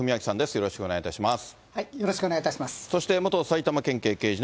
よろしくお願いします。